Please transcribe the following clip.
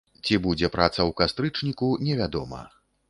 Ці будзе праца ў кастрычніку, невядома.